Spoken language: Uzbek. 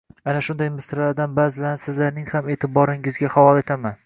Ana shunday misralardan baʼzilarini sizning ham eʼtiboringizga havola etaman